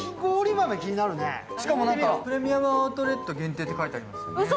しかもプレミアム・アウトレット限定って書いてありますよ。